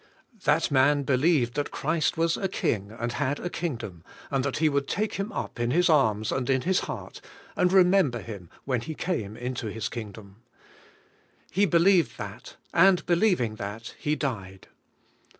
That man believed that Christ was a King, and had a Kingdom, and that Pie v^ould take him up in His arms, and in His heart, and remember him when He came into His King dom. He believed that, and believing that, he died.